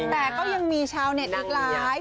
แต่ก็ยังมีชาวเน็ตอีกหลาย